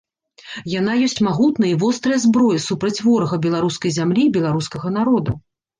Яна ёсць магутная і вострая зброя супраць ворага беларускай зямлі і беларускага народа.